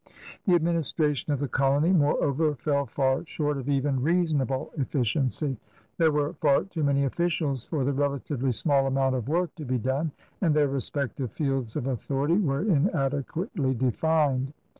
The administration of the colony, moreover, fell far short of even reasonable efficiency. There were far too many officiab for the relatively small amount of work to be done, and their respective fields of authority were inadequately defined.